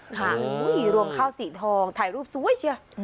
รวมข้าวสีทองถ่ายรูปสวยเชียว